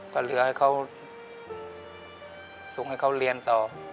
ก็เหลือให้เขาส่งให้เขาเรียนต่อ